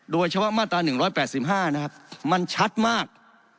เฉพาะมาตรา๑๘๕นะครับมันชัดมาก